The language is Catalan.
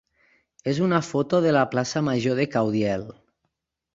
és una foto de la plaça major de Caudiel.